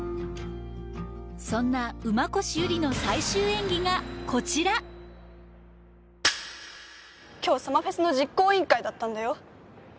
そんな馬越友梨のがこちら今日サマフェスの実行委員会だったんだよ